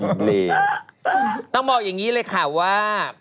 นั่นบิแคล่ต้องบอกอย่างนี้เลยค่ะว่า